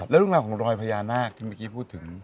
แล้วเรื่องราวของรอยพญานาคที่เมื่อกี้พูดถึง